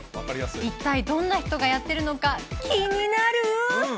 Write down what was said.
一体どんな人がやっているのか、気になる。